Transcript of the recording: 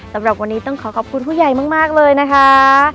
สำหรับวันนี้ต้องขอขอบคุณผู้ใหญ่มากเลยนะคะ